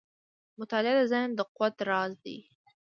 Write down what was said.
• مطالعه د ذهن د قوت راز دی.